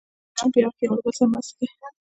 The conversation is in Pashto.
کارګران په یو وخت کې یو له بل سره مرسته کوي